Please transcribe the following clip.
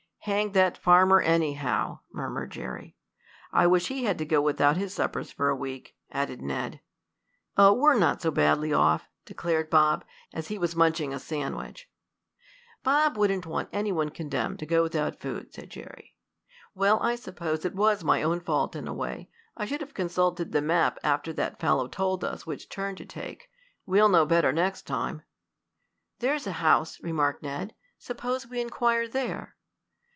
"Hang that farmer, anyhow!" murmured Jerry. "I wish he had to go without his suppers for a week," added Ned. "Oh, we're not so badly off," declared Bob, as he was munching a sandwich. "Bob wouldn't want any one condemned to go without food," said Jerry. "Well, I suppose it was my own fault in a way. I should have consulted the map after that fellow told us which turn to take. We'll know better next time." "There's a house," remarked Ned. "Suppose we inquire there."